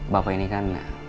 bapak ini kan